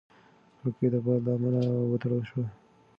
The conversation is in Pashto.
کړکۍ د باد له امله وتړل شوه.